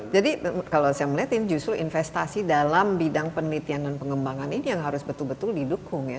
jadi kalau saya melihat ini justru investasi dalam bidang penelitian dan pengembangan ini yang harus betul betul didukung ya